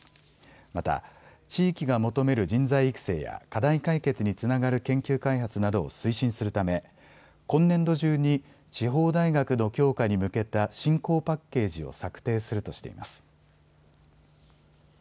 また地域が求める人材育成や課題解決につながる研究開発などを推進するため今年度中に地方大学の強化に向けた振興パッケージを策定するとしています。